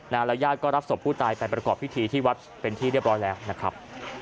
แล้วญาติก็รับศพผู้ตายไปประกอบพิธีที่วัดเป็นที่เรียบร้อยแล้วนะครับ